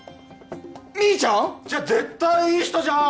ミーちゃん？じゃあ絶対いい人じゃん。